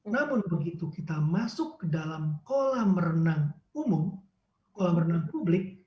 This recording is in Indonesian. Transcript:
namun begitu kita masuk ke dalam kolam renang umum kolam renang publik